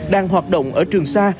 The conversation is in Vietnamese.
đang hoạt động ở trường xa